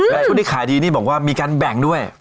และผู้ที่ขายดีนี่บอกว่ามีการแบ่งด้วย